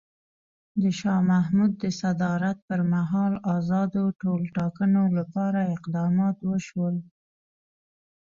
د شاه محمود د صدارت پر مهال ازادو ټولټاکنو لپاره اقدامات وشول.